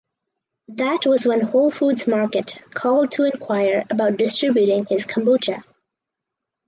That was when Whole Foods Market called to inquire about distributing his kombucha.